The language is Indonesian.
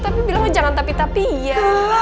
tapi jangan tapi tapi ya